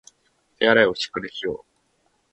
手洗いをしっかりしよう